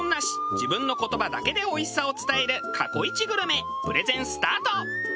自分の言葉だけでおいしさを伝える過去イチグルメプレゼンスタート。